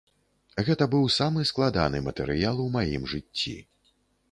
Гэта быў самы складаны матэрыял у маім жыцці.